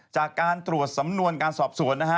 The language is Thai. จากการตรวจสำนวนการสอบสวนนะฮะ